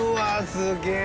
すげえ！